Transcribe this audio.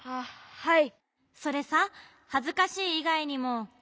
はい。